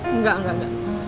enggak enggak enggak